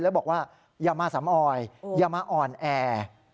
แล้วบอกว่าอย่ามาสำออยอย่ามาอ่อนแอ